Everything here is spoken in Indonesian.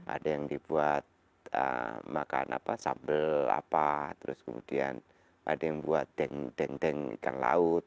ada yang dibuat makan apa sambal apa terus kemudian ada yang buat deng deng ikan laut